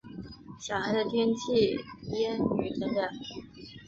小寒的天气谚语等等。